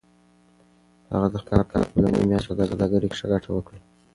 هغه د خپل کار په لومړۍ میاشت کې په سوداګرۍ کې ښه ګټه وکړه.